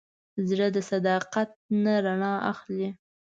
زړه د صداقت نه رڼا اخلي.